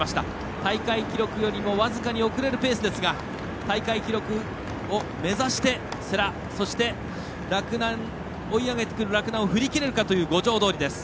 大会記録よりも僅かに遅れるペースですが大会記録を目指して世羅、そして追い上げてくる洛南を振り切れるかという五条通。